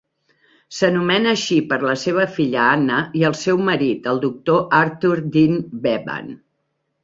S'anomena així per la seva filla Anna i el seu marit, el doctor Arthur Dean Bevan.